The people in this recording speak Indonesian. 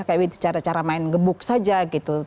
kayak cara cara main gebuk saja gitu